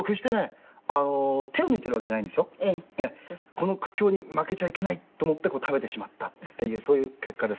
この苦境に負けちゃいけないと思って食べてしまったっていうそういう結果です。